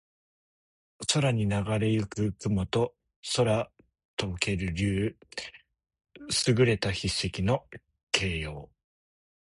空にながれ行く雲と空翔ける竜。能書（すぐれた筆跡）の形容。